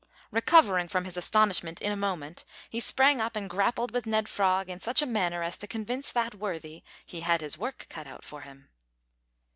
Recovering from his astonishment in a moment, he sprang up and grappled with Ned Frog in such a manner as to convince that worthy he had "his work cut out for him."